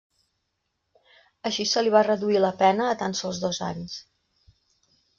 Així se li va reduir la pena a tan sols dos anys.